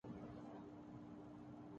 برہنہ مناظر شوٹ کرنے پر مجبور کیا گیا